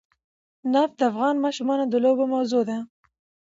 نفت د افغان ماشومانو د لوبو موضوع ده.